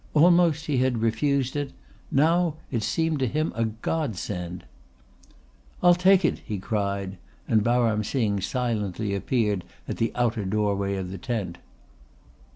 Almost he had refused it! Now it seemed to him a Godsend. "I'll take it," he cried, and Baram Singh silently appeared at the outer doorway of the tent.